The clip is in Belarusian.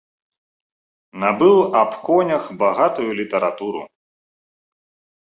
Набыў аб конях багатую літаратуру.